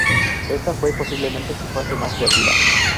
Esta fue posiblemente su fase más creativa.